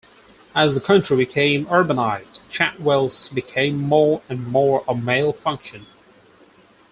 As the country became urbanized, chantwells became more and more a male function.